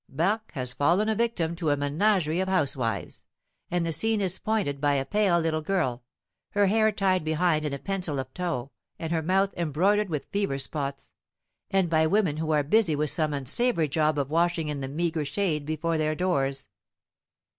Barque has fallen a victim to a menagerie of housewives; and the scene is pointed by a pale little girl, her hair tied behind in a pencil of tow and her mouth embroidered with fever spots, and by women who are busy with some unsavory job of washing in the meager shade before their doors.